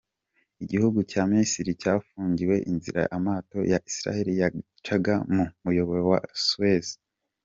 Igihugu cya Misiri cyafungiye inzira amato ya Israel yacaga mu muyoboro wa Suez.